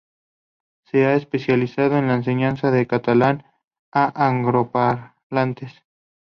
Se ha especializado en la enseñanza del catalán a angloparlantes.